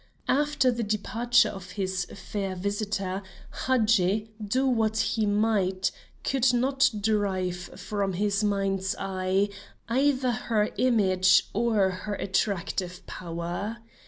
After the departure of his fair visitor Hadji, do what he might, could not drive from his mind's eye, either her image, or her attractive power.